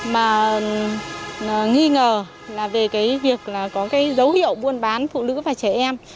mà nghi ngờ là về cái việc là có cái dấu hiệu buôn bán phụ nữ và trẻ em